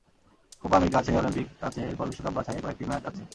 Copa America আছে, Olympic আছে, এরপর বিশ্বকাপ বাছাইয়ে কয়েকটি ম্যাচ আছে।